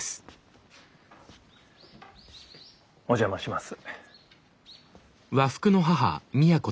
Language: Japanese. お邪魔します。